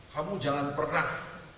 kamu jangan pernah